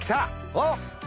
おっ！